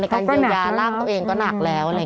การเยียวยาร่างตัวเองก็หนักแล้ว